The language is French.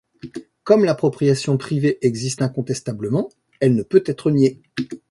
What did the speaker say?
Comme l’appropriation privée existe incontestablement, elle ne peut être niée.